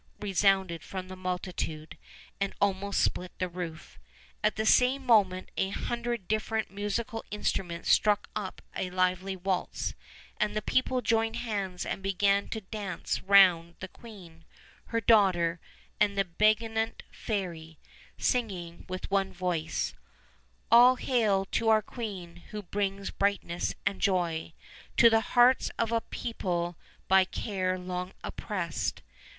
resounded from the multitude, and almost split the roof. At the same moment a hundred different musical instruments struck up a lively waltz, and the people joined hands and began to dance round the queen, her daughter, and the benignant fairy, sing ing with one voice: All hail to our queen, who brings brightness and joy To the hearts of a people by care long oppressed!